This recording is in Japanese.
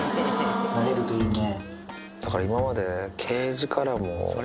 なれるといいね。